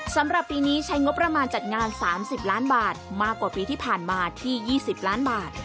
สำหรับปีนี้ใช้งบประมาณจัดงาน๓๐ล้านบาทมากกว่าปีที่ผ่านมาที่๒๐ล้านบาท